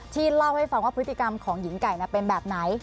เล่าให้ฟังว่าพฤติกรรมของหญิงไก่เป็นแบบไหน